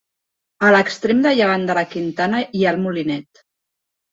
A l'extrem de llevant de la quintana hi ha el Molinet.